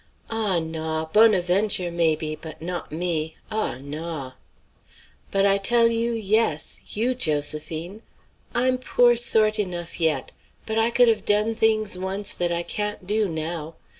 "Ah, naw! Bonaventure, may_be_; but not me; ah, naw!" "But I tell you, yes! you, Josephine! I'm poor sort enough yet; but I could have done things once that I can't do now.